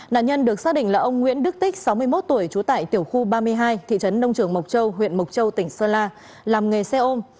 nạn nhân được xác định là ông nguyễn đức tích sáu mươi một tuổi trú tại tiểu khu ba mươi hai thị trấn nông trường mộc châu huyện mộc châu tỉnh sơn la làm nghề xe ôm